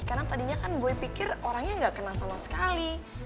karena tadinya kan boy pikir orangnya gak kena sama sekali